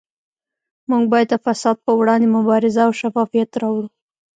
موږ باید د فساد پروړاندې مبارزه او شفافیت راوړو